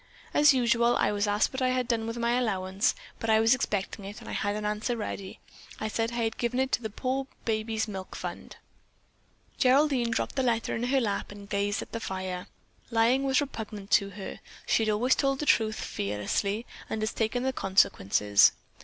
As usual, I was asked what I had done with my allowance, but I was expecting it and had an answer ready. I said that I had given it to the poor babies' milk fund." Geraldine dropped the letter in her lap and gazed at the fire. Lying was repugnant to her. She had always told the truth fearlessly and had taken the consequences.